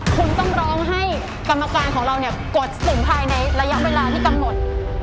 คุณต้องร้องให้กรรมการของเราเนี่ยกดส่งภายในระยะเวลาที่กำหนด